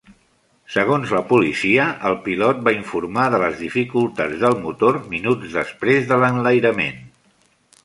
Segons la policia, el pilot va informar de les dificultats del motor minuts després de l'enlairament.